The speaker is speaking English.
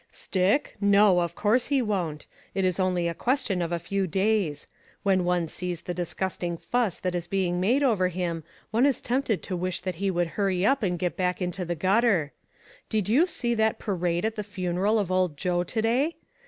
"Stick? no, of course he won't. It is only a question of a few days. When one sees the disgusting fuss that is being made over him, one is tempted to wish that he would hurry up and get back into the gutter. Did you see that parade at the funeral of old Joe to day?